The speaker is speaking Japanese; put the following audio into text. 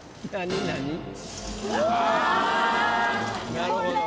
なるほど。